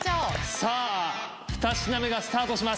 さぁ２品目がスタートします。